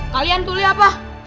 kalian tuli apa